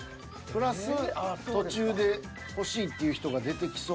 プラス途中で欲しいっていう人が出てきそうな。